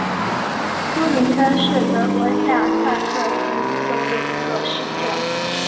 苏林根是德国下萨克森州的一个市镇。